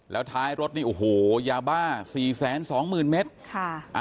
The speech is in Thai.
แล้วท้ายรถนี่โอ้โหยาบ้า๔๒๐๐๐เมตรค่ะ